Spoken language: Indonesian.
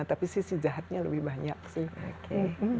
tapi sisi jahatnya lebih banyak sih